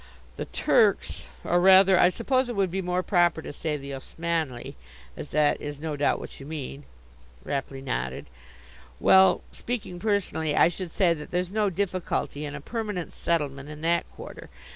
"The Turks, or rather, I suppose it would be more proper to say, the Osmanli, as that is no doubt what you mean?" Rapley nodded. "Well, speaking personally, I should say that there's no difficulty in a permanent settlement in that quarter.